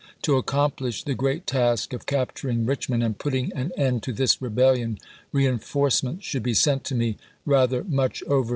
To accomplish the great task of cap turing Richmond and putting an end to this rebellion re enforcements should be sent to me, rather much over w. R.